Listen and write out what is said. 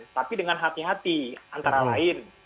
tapi dengan hati hati antara lain